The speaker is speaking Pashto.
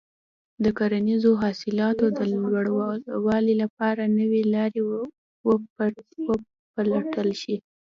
د کرنیزو حاصلاتو د لوړوالي لپاره نوې لارې وپلټل شي.